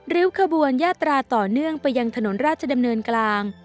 ริ้วขบวนยาตราต่อเนื่องไปยังถนนราชดำเนินกลาง